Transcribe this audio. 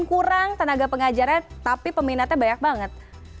kurang tenaga pengajarnya tapi peminatnya banyak banget